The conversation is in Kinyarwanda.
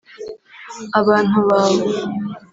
Abantu bawe